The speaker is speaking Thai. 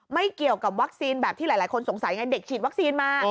ไม่เกี่ยวกับวัคซีนแบบที่หลายคนสงสัยไงเด็กฉีดวัคซีนมา